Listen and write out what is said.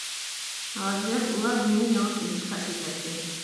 ھازىر ئۇلار بۇنى ياڭاق ئېزىشقا ئىشلىتەتتى.